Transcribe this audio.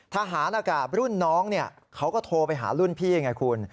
ทหารอากาศรุ่นน้องเขาก็โทรไปหารุ่นพี่ไงคุณ